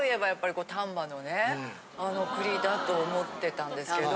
あの栗だと思ってたんですけど。